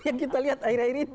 yang kita lihat akhir akhir ini